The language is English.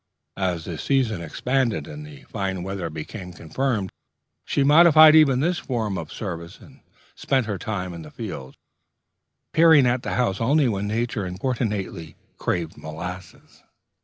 As the season expanded, and the fine weather became confirmed, she modified even this form of service, and spent her time in the fields, appearing at the house only when nature importunately craved molasses....